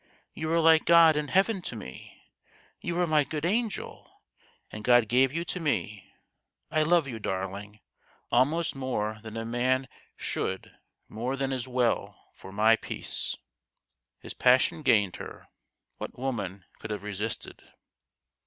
You are like God and heaven to me ! You are my good angel : and God gave you to me ! I love you, darling, almost more than a man should more than is well for my peace." His passion gained her. What woman could have resisted